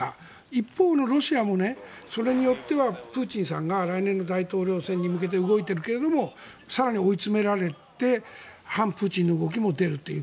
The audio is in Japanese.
一方のロシアも、それによってはプーチンさんが来年の大統領選に向けて動いているけども更に追い詰められて反プーチンの動きも出るという。